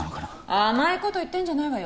甘いこと言ってんじゃないわよ